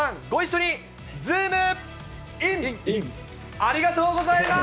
ありがとうございます。